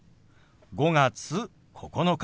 「５月９日」。